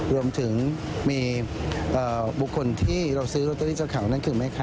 รวมถึงมีบุคคลที่เราซื้อโรตเตอรี่เจ้าเขานั่นคือแม่ค้า